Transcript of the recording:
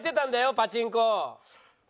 パチンコ。